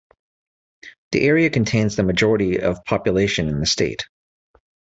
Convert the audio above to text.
The area contains the majority of population in the state.